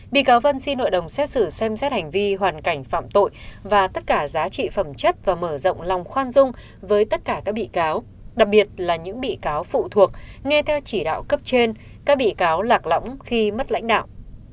bị cáo vân xin hội đồng xét xử xem xét hành vi hoàn cảnh phạm tội và tất cả giá trị phẩm chất và mở rộng lòng khoan dung với tất cả các bị cáo đặc biệt là những bị cáo phụ thuộc nghe theo chỉ đạo cấp trên các bị cáo lạc lõng khi mất lãnh đạo